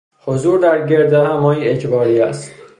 حضور در گردهمایی اجباری است.